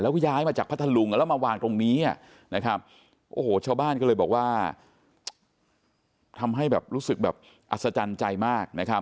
แล้วย้ายมาจากพระทะลุงแล้วมาวางตรงนี้ชาวบ้านก็เลยบอกว่าทำให้รู้สึกอัศจรรย์ใจมาก